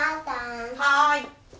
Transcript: はい。